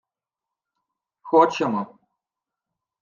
— Хочемо.